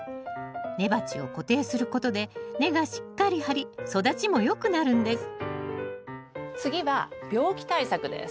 根鉢を固定することで根がしっかり張り育ちもよくなるんです次は病気対策です。